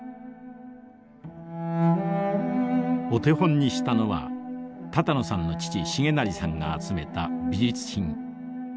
お手本にしたのは多々納さんの父重成さんが集めた美術品。